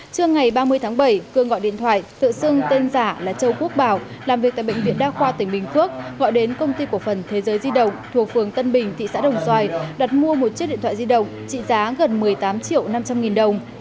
trưa ngày ba mươi tháng bảy cường gọi điện thoại tự xưng tên giả là châu quốc bảo làm việc tại bệnh viện đa khoa tỉnh bình phước gọi đến công ty cổ phần thế giới di động thuộc phường tân bình thị xã đồng xoài đặt mua một chiếc điện thoại di động trị giá gần một mươi tám triệu năm trăm linh nghìn đồng